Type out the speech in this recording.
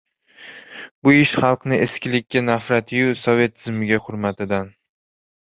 — Bu ish xalqni eskilikka nafrati-yu, sovet tuzumiga hurmatidan!